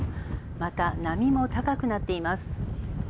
また、波も高くなっています。